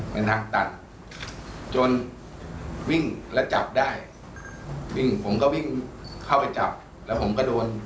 เป็นทางตัดจนวิ่งแล้วจับได้วิ่งผมก็วิ่งเข้าไปจับแล้วผมก็โดน